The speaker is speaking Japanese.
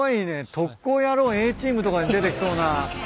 『特攻野郎Ａチーム』とかに出てきそうな。